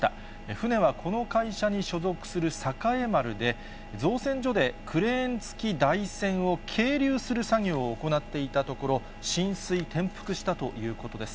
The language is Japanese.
船はこの会社に所属する栄丸で、造船所でクレーン付き台船を係留する作業を行っていたところ、浸水、転覆したということです。